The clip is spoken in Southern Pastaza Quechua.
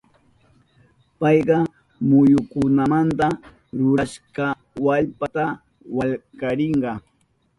Payka muyukunamanta rurarishka wallkata wallkarirka.